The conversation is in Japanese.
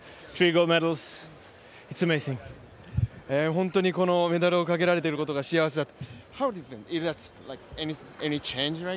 本当にこのメダルをかけられていることが幸せだと。